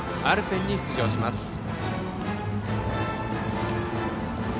アルペンに出場します。